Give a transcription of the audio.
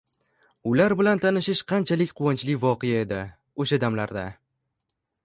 Ular bilan tanishish qanchalik quvonchli voqea edi o`sha damlarda